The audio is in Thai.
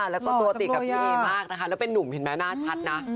แล้วก็ตัวติดกับพี่เอมากนะคะแล้วเป็นนุ่มเห็นไหมหน้าชัดนะ